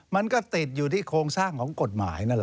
มันก็ติดอยู่ที่โครงสร้างของกฎหมายนั่นแหละ